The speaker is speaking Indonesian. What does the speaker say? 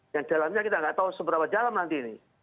yang dalamnya kita nggak tahu seberapa dalam nanti ini